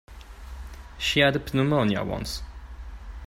She had pneumonia once.